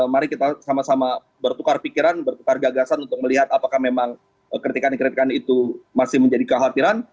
mari kita sama sama bertukar pikiran bertukar gagasan untuk melihat apakah memang kritikan kritikan itu masih menjadi kekhawatiran